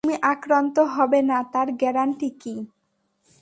তুমি আক্রান্ত হবে না তার গ্যারান্টি কী?